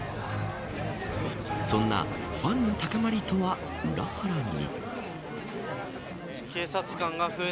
そんなファンの高まりとは裏腹に。